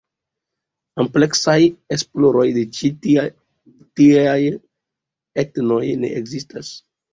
Ampleksaj esploroj de ĉi tieaj etnoj ne ekzistas.